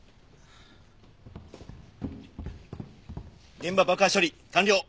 現場爆破処理完了。